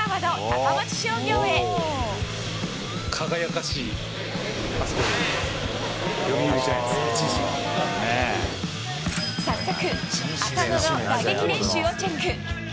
あそこ、早速、浅野の打撃練習をチェック。